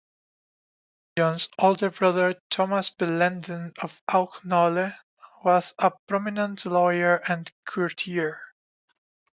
John's older brother Thomas Bellenden of Auchnoule was a prominent lawyer and courtier.